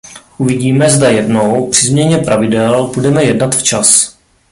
Uvidíme, zda jednou, při změně pravidel, budeme jednat včas.